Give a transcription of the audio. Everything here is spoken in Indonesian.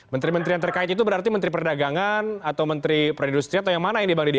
menteri menteri yang terkait itu berarti menteri perdagangan atau menteri perindustri atau yang mana ini bang didi